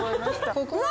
ここは。